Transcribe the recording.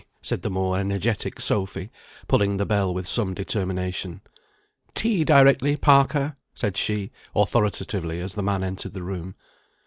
said the more energetic Sophy, pulling the bell with some determination. "Tea directly, Parker," said she, authoritatively, as the man entered the room.